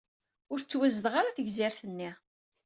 Ur tettwazdeɣ ara tegzirt-nni.